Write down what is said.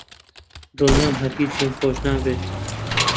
دڵنیام هەرگیز لێم خۆش نابێت.